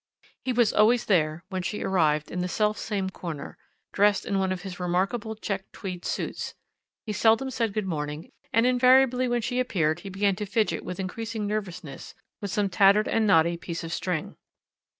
He was always there, when she arrived, in the selfsame corner, dressed in one of his remarkable check tweed suits; he seldom said good morning, and invariably when she appeared he began to fidget with increased nervousness, with some tattered and knotty piece of string.